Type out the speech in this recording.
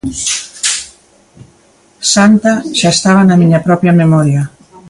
Santa xa estaba na miña propia memoria.